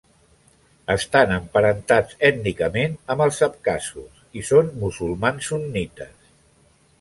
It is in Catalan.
Estan emparentats ètnicament amb els abkhazos, i són musulmans sunnites.